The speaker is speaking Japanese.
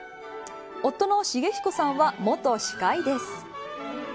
夫の重彦さんは元歯科医です。